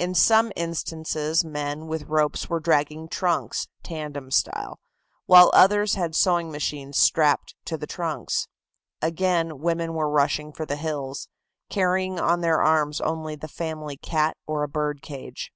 In some instances men with ropes were dragging trunks, tandem style, while others had sewing machines strapped to the trunks. Again, women were rushing for the hills, carrying on their arms only the family cat or a bird cage.